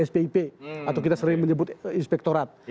spip atau kita sering menyebut inspektorat